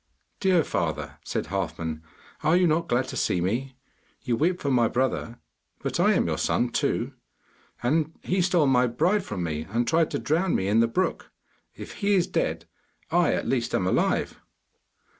'Dear father,' said Halfman, 'are you not glad to see me? You weep for my brother, but I am your son too, and he stole my bride from me and tried to drown me in the brook. If he is dead, I at least am alive.